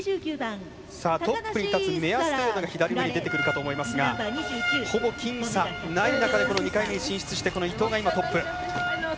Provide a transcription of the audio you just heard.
トップに立つ目安というのが左上に出てくるかと思いますがほぼ僅差ない中で２回目に進出してこの伊藤が今、トップ。